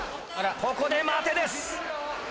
ここで待てです。